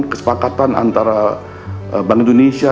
kesepakatan antara bank indonesia